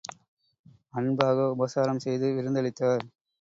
அன்பாக உபசாரம் செய்து விருந்தளித்தார்.